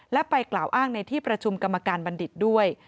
และไปกล่าวอ้างในที่ประชุมกรรมการบัณฑิตด้วย